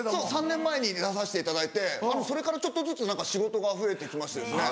３年前に出させていただいてそれからちょっとずつ仕事が増えて来ましてですね。